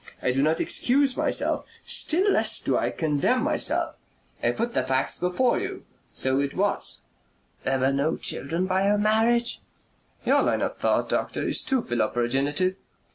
I do not excuse myself. Still less do I condemn myself. I put the facts before you. So it was." "There were no children by your marriage?" "Your line of thought, doctor, is too philoprogenitive.